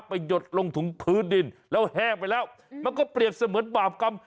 หยดลงถุงพื้นดินแล้วแห้งไปแล้วมันก็เปรียบเสมือนบาปกรรม